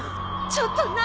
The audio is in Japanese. ちょっと何？